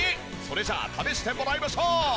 それじゃあ試してもらいましょう。